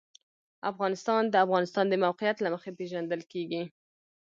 افغانستان د د افغانستان د موقعیت له مخې پېژندل کېږي.